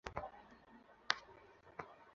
আমি কি ইটের ভিতর, বইসা আছি নাকি।